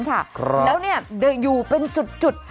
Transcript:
แล้วเนี่ยอยู่เป็นจุด